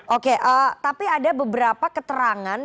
oke tapi ada beberapa keterangan